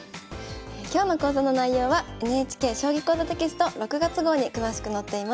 今日の講座の内容はＮＨＫ「将棋講座」テキスト６月号に詳しく載っています。